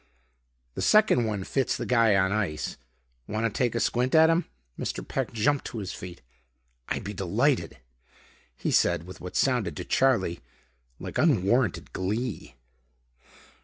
"The second one fits the guy on ice. Want to take a squint at him?" Mr. Peck jumped to his feet. "I'd be delighted," he said with what sounded to Charlie Ward like unwarranted glee.